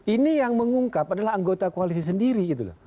ini yang mengungkap adalah anggota koalisi sendiri gitu loh